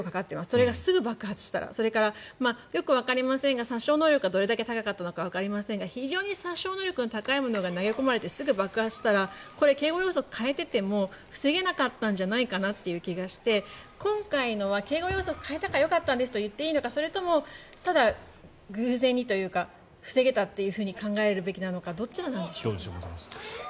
それがすぐ爆発したらそれから、よくわかりませんが殺傷能力がどれだけ高かったのかわかりませんが殺傷能力が高いものが投げ込まれて、すぐ爆発したら警護要則を変えていても防げなかったんじゃないかなという気がして今回のは警護要則を変えたからいいんですと言っていいのかそれともただ偶然にというか防げたと考えるべきなのかどちらなんでしょうか。